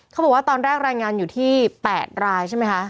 เขาบอกว่าตอนแรกรายงานอยู่ที่๘รายใช่ไหมคะ